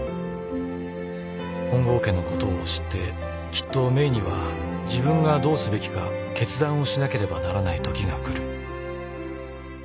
「本郷家のことを知ってきっとメイには自分がどうすべきか決断をしなければならないときが来る」